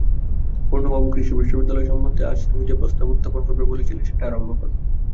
পূর্ণবাবু, কৃষিবিদ্যালয়-সম্বন্ধে আজ তুমি যে প্রস্তাব উত্থাপন করবে বলেছিলে সেটা আরম্ভ করো।